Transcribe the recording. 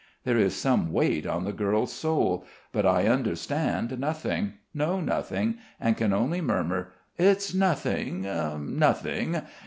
There is some weight on the girl's soul; but I understand nothing, know nothing and can only murmur: "It's nothing, nothing....